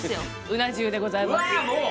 うな重でございますうわもう！